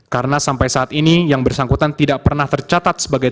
karena sampai saat ini yang bersangkutan tidak pernah tercatat sebagai tim berpengaruh